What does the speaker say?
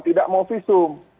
tidak mau visum